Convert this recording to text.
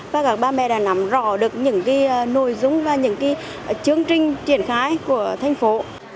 và các bà mẹ đã nắm rõ được những nội dung và những chương trình triển khai của thành phố